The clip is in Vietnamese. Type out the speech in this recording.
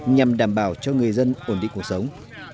nhằm đảm bảo cho người dân ổn định cuộc sống